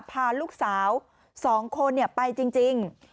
พาลูกสาว๒คนไปจริง